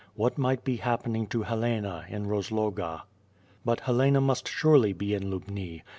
What might be happening to Helena in Hozloi^a? But Helena must surely be in Lubni.